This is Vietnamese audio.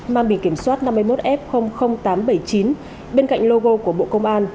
mang biển kiểm soát năm mươi một f tám trăm bảy mươi chín bên cạnh logo của bộ công an